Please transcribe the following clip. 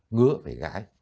ngứa phải gãi